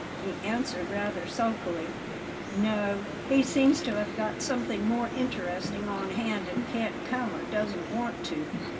he answered rather sulkily: "No; he seems to have got something more interesting on hand, and can't come, or doesn't want to."